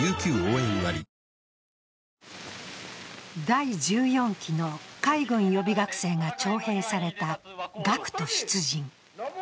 第１４期の海軍予備学生が徴兵された学徒出陣。